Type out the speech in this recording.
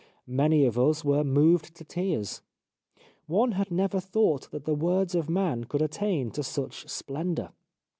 Many of us were moved to tears. One had never thought that the words of man could attain to such splendour.